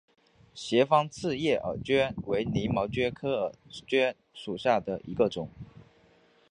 斜方刺叶耳蕨为鳞毛蕨科耳蕨属下的一个种。